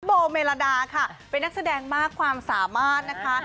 โบเมลาดาค่ะเป็นนักแสดงมากความสามารถนะคะ